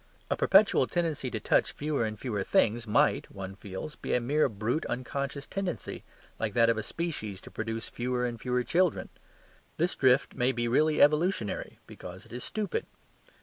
A perpetual tendency to touch fewer and fewer things might one feels, be a mere brute unconscious tendency, like that of a species to produce fewer and fewer children. This drift may be really evolutionary, because it is stupid.